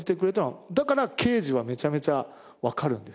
だから刑事はめちゃめちゃわかるんですよね